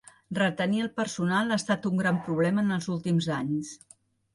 Retenir al personal ha estat un gran problema en els últims anys.